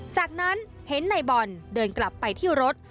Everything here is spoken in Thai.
จากนั้นเห็นนายบอลเดินกลับไปที่รถ